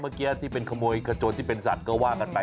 เมื่อกี้ที่เป็นขโมยขโจนที่เป็นสัตว์ก็ว่ากันไป